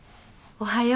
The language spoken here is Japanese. おはよう。